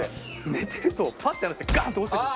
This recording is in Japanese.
寝てるとパッて放してガンって落ちてくる。